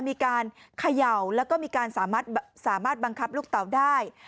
มีการขย่าวแล้วก็มีการสามารถสามารถบังคับลูกตาวได้